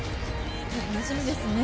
楽しみですね。